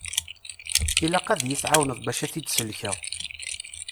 Ilaq ad yi-tɛawneḍ bac ad t-id-sellkeɣ.